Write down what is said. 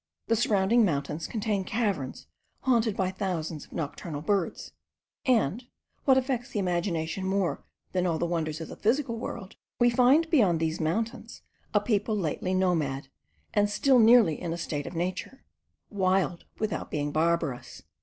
The surrounding mountains contain caverns haunted by thousands of nocturnal birds; and, what affects the imagination more than all the wonders of the physical world, we find beyond these mountains a people lately nomad, and still nearly in a state of nature, wild without being barbarous.